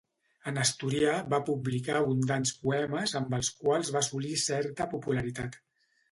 En asturià va publicar abundants poemes amb els quals va assolir certa popularitat.